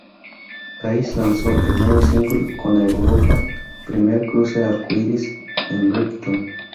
Peace lanzó el nuevo single con europa primer cruce arco iris, en Brighton.